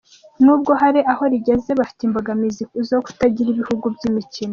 N’ubwo hari aho rigeze, bafite imbogamizi zo kutagira ibibuga by’imikino.